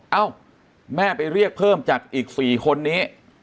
เอ้าแม่ไปเรียกเพิ่มจากอีก๔คนนี้